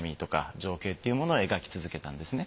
情景っていうものを描き続けたんですね。